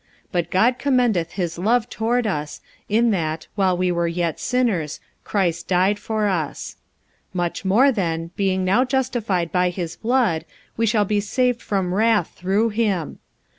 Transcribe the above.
45:005:008 But God commendeth his love toward us, in that, while we were yet sinners, Christ died for us. 45:005:009 Much more then, being now justified by his blood, we shall be saved from wrath through him.